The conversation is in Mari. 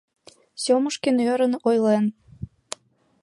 — Сёмушкин ӧрын ойлен.